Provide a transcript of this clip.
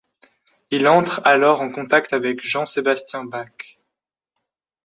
Il entre alors en contact avec Jean-Sébastien Bach.